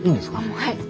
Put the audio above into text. はい。